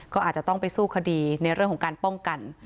ก็อาจจะต้องไปสู้คดีในเรื่องของการป้องกัน